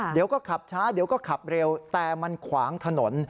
เดี๋ยวก็ขับช้าเดี๋ยวก็ขับเร็วแต่มันขวางถนน